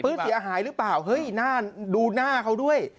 ปื๊ดเสียหายหรือเปล่าเฮ้ยดูหน้าเขาด้วย